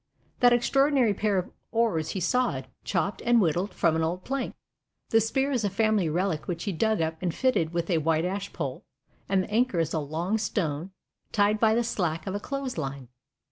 That extraordinary pair of oars he sawed, chopped, and whittled from an old plank. The spear is a family relic which he dug up and fitted with a white ash pole, and the anchor is a long stone, tied by the slack of a clothes line.